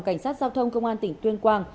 cảnh sát giao thông công an tỉnh tuyên quang